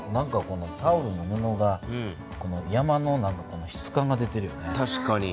タオルの布で山の質感が出てるよね。